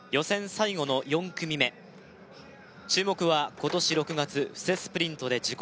最後の４組目注目は今年６月布勢スプリントで自己